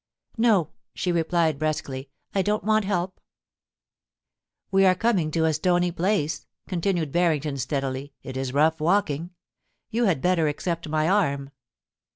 * No,' she replied brusquely, * I don't want help ?We are coming to a stony place,' continued Barrington, steadily. * It is rough walking. You had better accept my arm.'